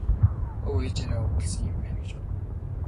Өө ээжээрээ овоглосон юм байна гэж бодно.